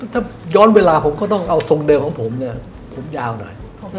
ถ้าย้อนเวลาผมก็ต้องเอาทรงเดิมของผมเนี่ยผมยาวหน่อย